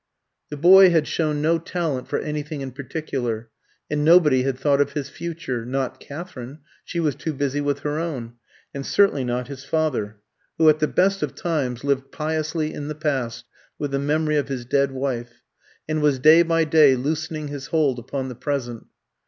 The boy had shown no talent for anything in particular, and nobody had thought of his future: not Katherine she was too busy with her own and certainly not his father, who at the best of times lived piously in the past with the memory of his dead wife, and was day by day loosening his hold upon the present.